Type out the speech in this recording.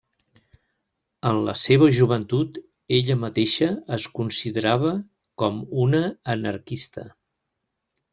En la seva joventut ella mateixa es considerava com una anarquista.